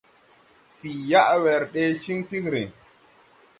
Fǐi yaʼ wɛr ɗee ciŋ tigriŋ.